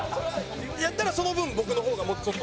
やったらその分僕の方がもうちょっと。